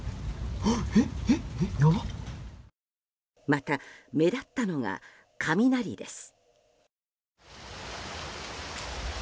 また、目立ったのが雷です。